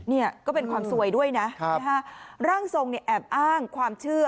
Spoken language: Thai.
เนี่ยก็เป็นความสวยด้วยนะร่างทรงเนี่ยแอบอ้างความเชื่อ